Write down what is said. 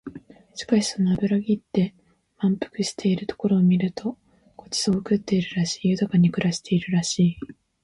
しかしその脂ぎって肥満しているところを見ると御馳走を食ってるらしい、豊かに暮らしているらしい